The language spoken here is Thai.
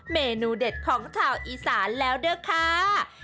เมนูเด็ดของชาวอีสานแล้วด้วยค่ะ